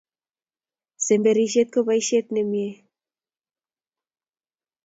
semberishet ko posihet nemie